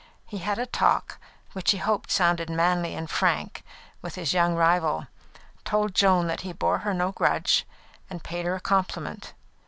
He had a talk, which he hoped sounded manly and frank, with his young rival, told Joan that he bore her no grudge, and paid her a compliment.